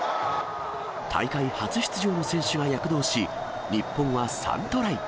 大会初出場の選手が躍動し、日本は３トライ。